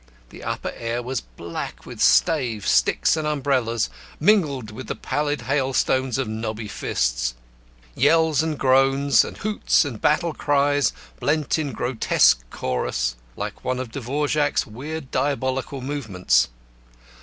The upper air was black with staves, sticks, and umbrellas, mingled with the pallid hailstones of knobby fists. Yells, and groans, and hoots, and battle cries blent in grotesque chorus, like one of Dvorák's weird diabolical movements.